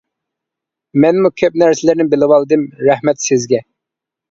مەنمۇ كۆپ نەرسىلەرنى بىلىۋالدىم رەھمەت سىزگە.